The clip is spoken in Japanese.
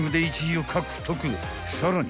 ［さらに］